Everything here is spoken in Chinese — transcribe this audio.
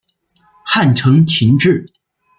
汉承秦制。